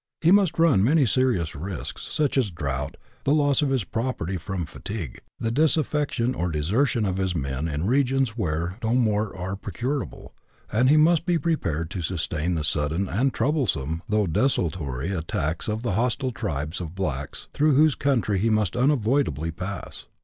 He must run many serious risks, such as drought, the loss of his property from fatigue, the disaffection or desertion of his men in regions where no more are procurable, and he must be prepared to sustain the sudden and troublesome, though desultory, attacks of the hostile tribes of blacks through whose country he must unavoidably pass.